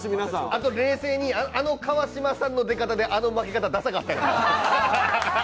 あと冷静に、あの川島さんの出方で、あの負け方、ダサかったよな。